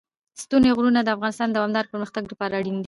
ستوني غرونه د افغانستان د دوامداره پرمختګ لپاره اړین دي.